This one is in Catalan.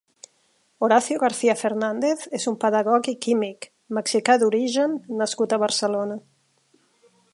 Horacio García Fernández és un pedagog i químic mexicà d'origen nascut a Barcelona.